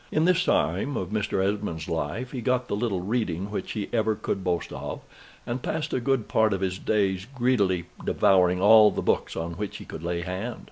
In this time of Mr. Esmond's life, he got the little reading which he ever could boast of, and passed a good part of his days greedily devouring all the books on which he could lay hand.